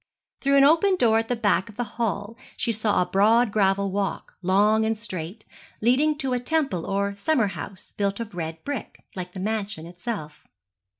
Through an open door at the back of the hall she saw a broad gravel walk, long and straight, leading to a temple or summer house built of red brick, like the mansion itself.